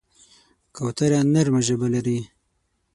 کوتره نرمه ژبه لري.